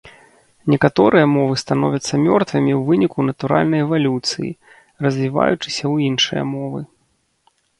Некаторыя мовы становяцца мёртвымі ў выніку натуральнай эвалюцыі, развіваючыся ў іншыя мовы.